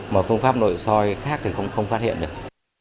mà phương pháp nội soi khác thì cũng không phát hiện được